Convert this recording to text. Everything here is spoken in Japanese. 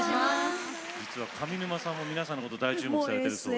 上沼さんも皆さんのこと大注目されているそうで。